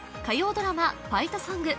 ドラマ「ファイトソング」